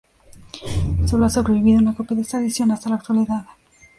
Solo ha sobrevivido una copia de esta edición hasta la actualidad.